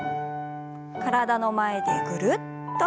体の前でぐるっと。